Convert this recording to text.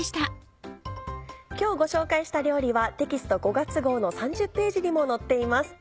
今日ご紹介した料理はテキスト５月号の３０ページにも載っています。